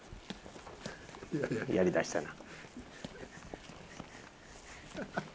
やりだしたな。